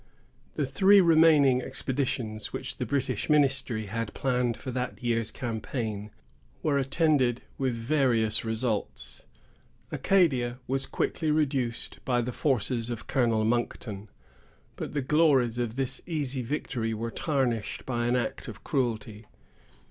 The three remaining expeditions which the British ministry had planned for that year's campaign were attended with various results. Acadia was quickly reduced by the forces of Colonel Monkton; but the glories of this easy victory were tarnished by an act of cruelty.